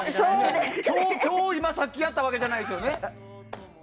今日、今さっきやったわけじゃないですよね？